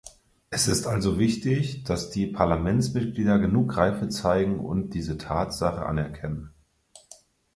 Es ist also wichtig, dass die Parlamentsmitglieder genug Reife zeigen und diese Tatsache anerkennen.